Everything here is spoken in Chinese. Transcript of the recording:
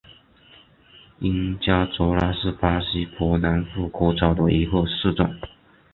因加泽拉是巴西伯南布哥州的一个市镇。